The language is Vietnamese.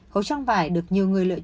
khẩu trang vải được nhiều người lựa chọn